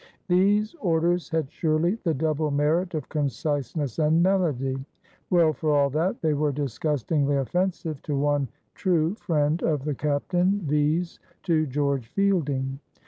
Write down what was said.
These orders had surely the double merit of conciseness and melody; well, for all that, they were disgustingly offensive to one true friend of the captain, viz., to George Fielding.